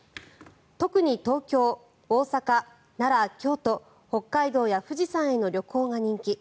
特に東京、大阪、奈良、京都北海道や富士山への旅行が人気。